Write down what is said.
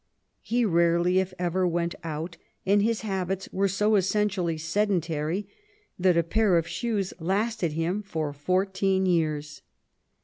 He rarely, if ever, went out, and his habits were so essentially sedentary that a pair of shoes lasted him for foiirteen years.